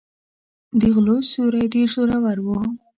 د غلو سیوری ډېر زورور و.